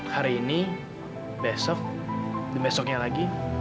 hari ini besok dan besoknya lagi